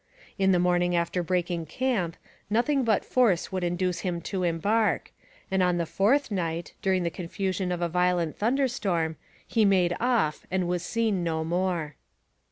In the morning after breaking camp nothing but force would induce him to embark, and on the fourth night, during the confusion of a violent thunder storm, he made off and was seen no more.